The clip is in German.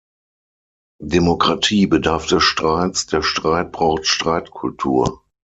Demokratie bedarf des Streits, der Streit braucht Streitkultur.